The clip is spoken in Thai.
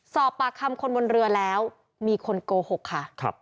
สอบปากคำคนบนเรือแล้วมีคนโกหกค่ะ